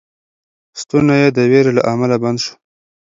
ستونی یې د وېرې له امله بند شو.